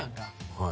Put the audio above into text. はい。